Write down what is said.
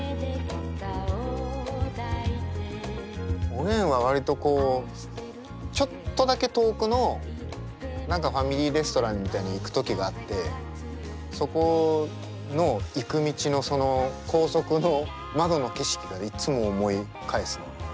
おげんは割とこうちょっとだけ遠くの何かファミリーレストランに行く時があってそこの行く道の高速の窓の景色がいつも思い返すの。